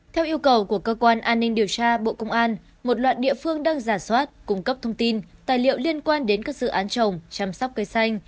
theo yêu cầu của cơ quan an ninh điều tra bộ công an một loạt địa phương đang giả soát cung cấp thông tin tài liệu liên quan đến các dự án trồng chăm sóc cây xanh